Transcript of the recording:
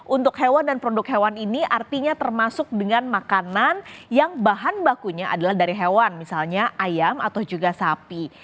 untuk hewan dan produk hewan ini artinya termasuk dengan makanan yang bahan bakunya adalah dari hewan misalnya ayam atau juga sapi